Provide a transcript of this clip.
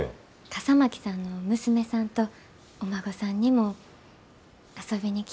笠巻さんの娘さんとお孫さんにも遊びに来てもらえたらなぁて。